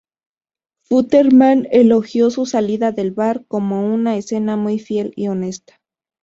Futterman elogió su salida del bar como una "escena muy fiel y honesta".